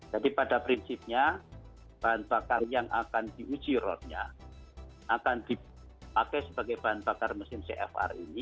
jadi pada prinsipnya bahan bakar yang akan diuji ron nya akan dipakai sebagai bahan bakar mesin cfr ini